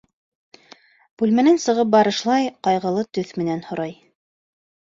Бүлмәнән сығып барышлай ҡайғылы төҫ менән һорай: